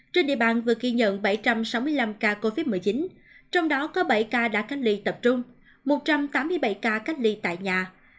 trên địa bàn vừa ghi nhận bảy trăm sáu mươi năm ca covid một mươi chín trong đó có bảy ca đã cách ly tập trung một trăm tám mươi bảy ca cách ly tại nhà